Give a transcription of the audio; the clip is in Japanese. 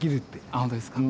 あ本当ですか。